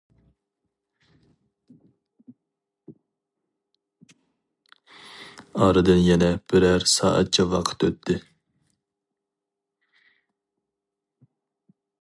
ئارىدىن يەنە بىرەر سائەتچە ۋاقىت ئۆتتى.